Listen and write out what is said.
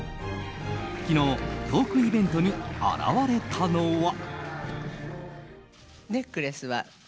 昨日トークイベントに現れたのは。